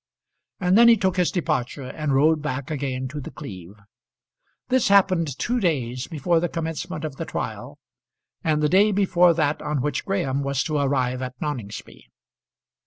And then he took his departure, and rode back again to The Cleeve. This happened two days before the commencement of the trial, and the day before that on which Graham was to arrive at Noningsby.